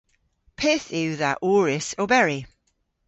Pyth yw dha ourys oberi?